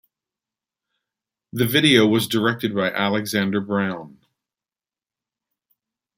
The video was directed by Alexander Brown.